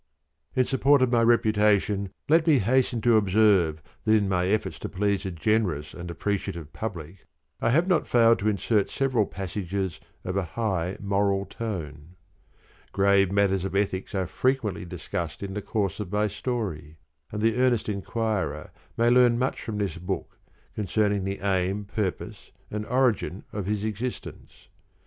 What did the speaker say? _ _In support of my reputation let me hasten to observe that in my efforts to please a generous and appreciative Public I have not failed to insert several passages of a high moral tone. Grave matters of ethics are frequently discussed in the course of my story, and the earnest inquirer may learn much from this book concerning the aim, purpose and origin of his existence.